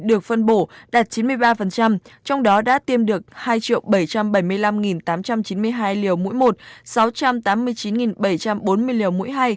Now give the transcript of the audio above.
được phân bổ đạt chín mươi ba trong đó đã tiêm được hai bảy trăm bảy mươi năm tám trăm chín mươi hai liều mũi một sáu trăm tám mươi chín bảy trăm bốn mươi liều mũi hai